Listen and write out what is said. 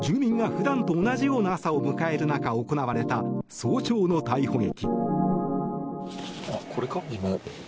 住民が普段と同じような朝を迎える中、行われた早朝の逮捕劇。